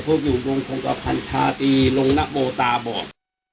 พวกอยู่รุงพงตะพันธาตีรุงนักโบตาบอบ